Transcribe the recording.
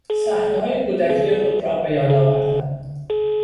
صحنههای کودکی خود را به یاد آوردن